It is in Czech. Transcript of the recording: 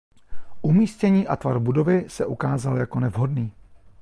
Umístění a tvar budovy se ukázal jako nevhodný.